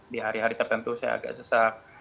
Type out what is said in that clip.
di hari hari tertentu saya agak sesak